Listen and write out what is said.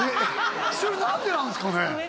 それ何でなんですかね？